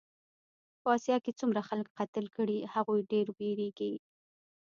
په اسیا کې څومره خلک قتل کړې هغوی ډېر وېرېږي.